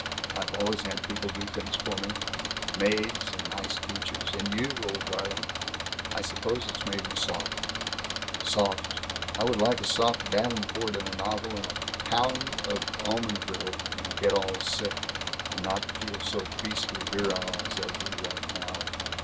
I've always had people to do things for me. Maids and nice teachers and you, old darling! I suppose it's made me soft. Soft I would like a soft davenport and a novel and a pound of almond brittle, and get all sick, and not feel so beastly virile as I do just now.